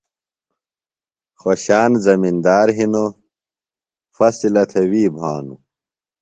خوشان زمندار ہِنوۡ، فصلہ تھےۡ وی بھانوۡ